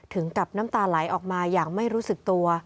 ถึงกับน้ำตาไหลออกมาอย่างไม่รู้สึกตัว